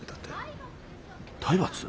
体罰？